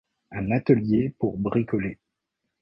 un atelier pour bricoler